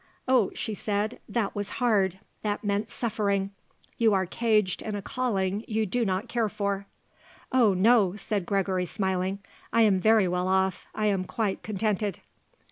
"Ah," she said. "That was hard. That meant suffering. You are caged in a calling you do not care for." "Oh, no," said Gregory, smiling; "I'm very well off; I'm quite contented."